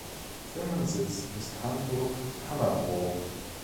Firmensitz ist Hamburg-Hammerbrook.